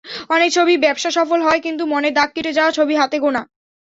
অনেক ছবিই ব্যবসাসফল হয়, কিন্তু মনে দাগ কেটে যাওয়া ছবি হাতে গোনা।